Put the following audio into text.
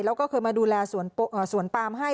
แล้วก็เคยมาดูแลสวนปริมาณ์ปรัสมาให้